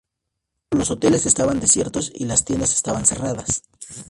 Los hoteles estaban desiertos y las tiendas estaban cerradas.